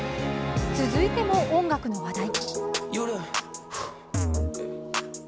続いても音楽の話題。